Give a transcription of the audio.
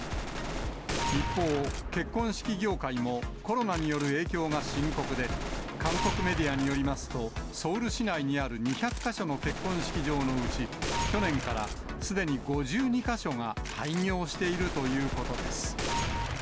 一方、結婚式業界も、コロナによる影響が深刻で、韓国メディアによりますと、ソウル市内にある２００か所の結婚式場のうち、去年からすでに５２か所が廃業しているということです。